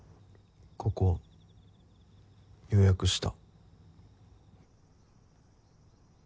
ここ予約した。